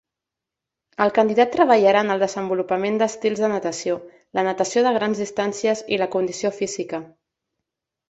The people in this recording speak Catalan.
El candidat treballarà en el desenvolupament d'estils de natació, la natació de grans distàncies i la condició física.